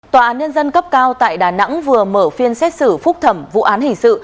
tòa án nhân dân cấp cao tại đà nẵng vừa mở phiên xét xử phúc thẩm vụ án hình sự